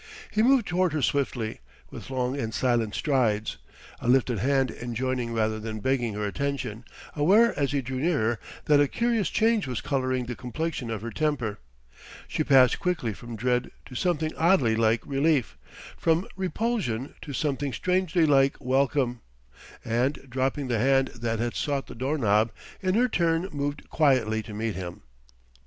He moved toward her swiftly, with long and silent strides, a lifted hand enjoining rather than begging her attention, aware as he drew nearer that a curious change was colouring the complexion of her temper: she passed quickly from dread to something oddly like relief, from repulsion to something strangely like welcome; and dropping the hand that had sought the door knob, in her turn moved quietly to meet him.